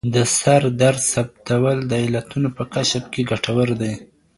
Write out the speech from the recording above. د سردرد ثبتول د علتونو په کشف کې ګټور دي.